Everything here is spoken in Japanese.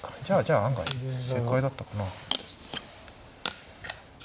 じゃあじゃあ案外正解だったかな。